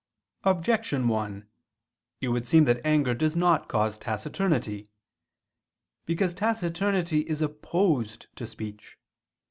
Objection 1: It would seem that anger does not cause taciturnity. Because taciturnity is opposed to speech.